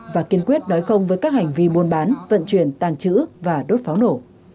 và kiên quyết nói không với các hành vi buôn bán vận chuyển tàng trữ và đốt pháo nổ